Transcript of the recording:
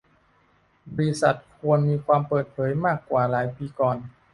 บริษัทควรมีความเปิดเผยมากกว่าหลายปีก่อน